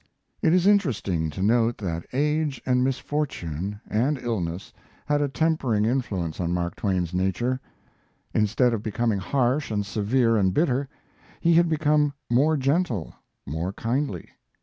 It is interesting to note that age and misfortune and illness had a tempering influence on Mark Twain's nature. Instead of becoming harsh and severe and bitter, he had become more gentle, more kindly.